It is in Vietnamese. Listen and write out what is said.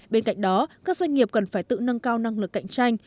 bên cạnh đó các doanh nghiệp cần phải tự nâng cao năng lực cạnh tranh